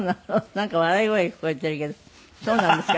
なんか笑い声が聞こえてるけどそうなんですか？